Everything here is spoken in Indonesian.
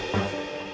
cepet pulih ya